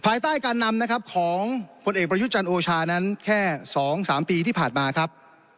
ภายใต้การนำนะครับของผลเอกประยุทธ์จันทร์โอชานั้นแค่๒๓ปีที่ผ่านมาครับ